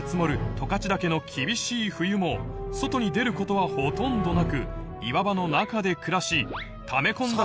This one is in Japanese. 十勝岳の厳しい冬も外に出ることはほとんどなく岩場の中で暮らしため込んだ